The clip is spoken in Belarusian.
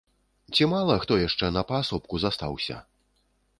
Ці мала хто яшчэ на паасобку застаўся?